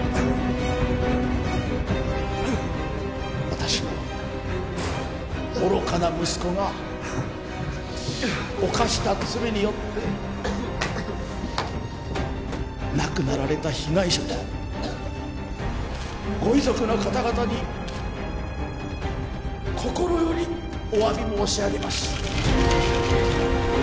私の愚かな息子が犯した罪によって亡くなられた被害者とご遺族の方々に心よりおわび申し上げます。